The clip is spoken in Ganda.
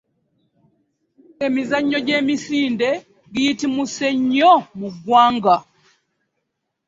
Emizannyo gy'emisinde giyitimuse nnyo mu ggwanga.